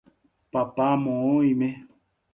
papá moõ oime